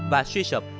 và suy sụp